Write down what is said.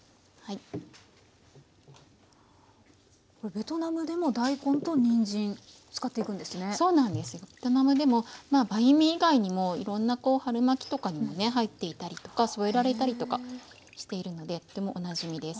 ベトナムでもバインミー以外にもいろんなこう春巻きとかにもね入っていたりとか添えられたりとかしているのでとてもおなじみです。